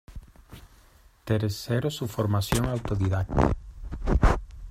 Tercero su formación autodidacta.